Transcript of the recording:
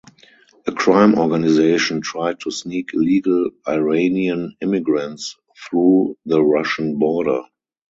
A crime organization tried to sneak illegal Iranian immigrants through the Russian border.